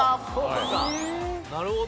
なるほど！